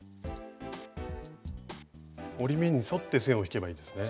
折り目に沿って線を引けばいいんですね。